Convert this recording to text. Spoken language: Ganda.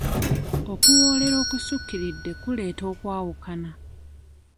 Okuwoolera okusukiridde kuleeta okwawukana.